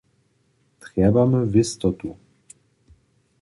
Trjebamy wěstotu.